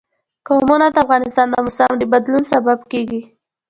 قومونه د افغانستان د موسم د بدلون سبب کېږي.